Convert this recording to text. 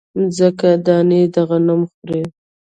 مځکه دانې د غنم خوري